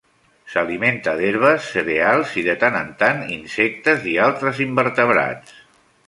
S'alimenta d'herbes, cereals i, de tant en tant, insectes i altres invertebrats.